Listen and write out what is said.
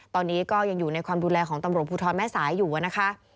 ตอนนี้ก็ยังอยู่ในความดูแลของตำรวจภูทรแม่สายอยู่นะคะ